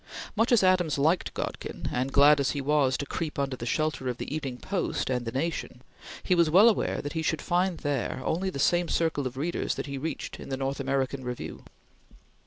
Much as Adams liked Godkin, and glad as he was to creep under the shelter of the Evening Post and the Nation, he was well aware that he should find there only the same circle of readers that he reached in the North American Review.